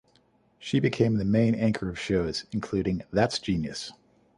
She became the main anchor of shows, including That's Genius!